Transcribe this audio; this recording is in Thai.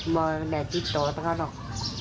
ไม่ได้ติดต่อตัวเขาหรอก